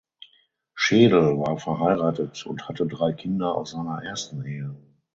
Schedel war verheiratet und hatte drei Kinder aus seiner ersten Ehe.